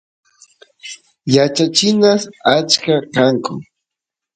yachachinas achka kanku